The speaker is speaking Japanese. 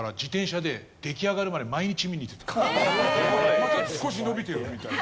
また少しのびてる！みたいな。